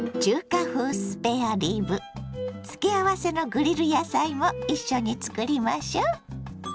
付け合わせのグリル野菜も一緒に作りましょ。